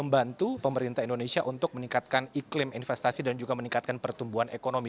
membantu pemerintah indonesia untuk meningkatkan iklim investasi dan juga meningkatkan pertumbuhan ekonomi